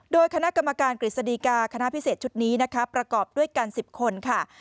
โดยคณะกรรมการกฤษฎีกาคณะพิเศษชุดนี้นะคะประกอบด้วยกัน๑๐คนค่ะ